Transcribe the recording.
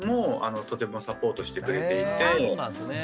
そうなんですね。